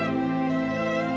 mending kalian pergi dari sini